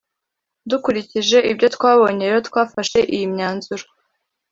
dukurikije ibyo twabonye rero twafashe iyi myanzuro,